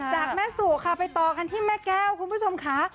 จากแม่สู่ค่ะไปต่อกันที่แม่แก้วคุณผู้ชมค่ะ